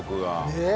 ねえ！